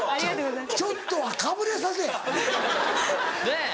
ちょっとはかぶれさせぇ！